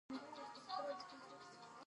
جون هیله لرله چې حنا بېرته راشي